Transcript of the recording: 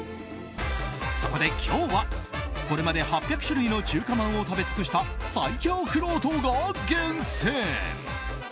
そこで今日はこれまで８００種類の中華まんを食べ尽くした最強くろうとが厳選。